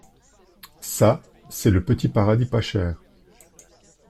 Ca, c’est le petit paradis pas cher.